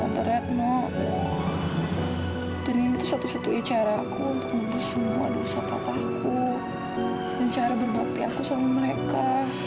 dan ini satu satunya caraku untuk memutus semua dosa papahku dan cara berbaktiakus sama mereka